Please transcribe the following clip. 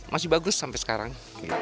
masih bagus sampai sekarang